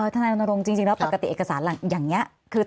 ทนายลงจริงแล้วปกติเอกสารอย่างเนี้ย